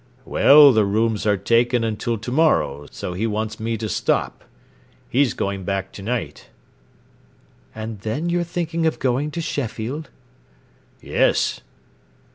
"Well, the rooms are taken until to morrow, so he wants me to stop. He's going back to night." "And then you're thinking of going to Sheffield?" "Yes."